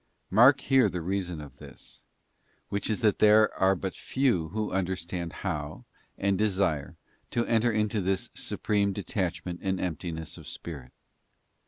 Mark here the reason of this, which is that there are but few who under stand how, and desire, to enter into this supreme detachment and emptiness of spirit.